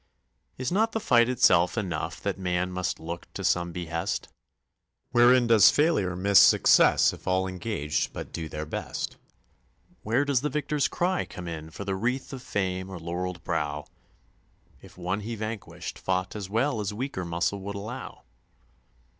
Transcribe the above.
Is not the fight itself enough that man must look to some behest? Wherein does Failure miss Success if all engaged but do their best? Where does the Victor's cry come in for wreath of fame or laureled brow If one he vanquished fought as well as weaker muscle would allow?